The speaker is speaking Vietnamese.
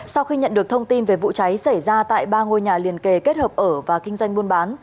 sau khi nhận được thông tin về vụ cháy xảy ra tại ba ngôi nhà liền kề kết hợp ở và kinh doanh buôn bán